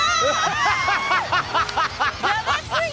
やばすぎ！